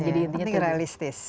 jadi intinya itu realistis